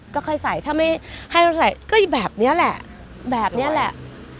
ก็ค่อยใส่ถ้าไม่ให้เราใส่ก็แบบนี้แหละแบบนี้แหละ